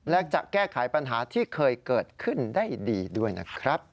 และจะแก้ไขปัญหาที่เคยเกิดขึ้นได้ดีด้วยนะครับ